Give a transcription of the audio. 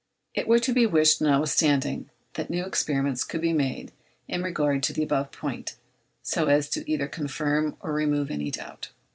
It were to be wished, notwithstanding, that new experiments could be made in regard to the above point, so as either to confirm or remove any doubt.